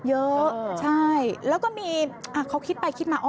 เยอะใช่แล้วก็มีเขาคิดไปคิดมาอ้อ